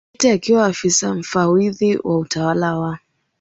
Coote akiwa Afisa Mfawidhi wa Utawala wa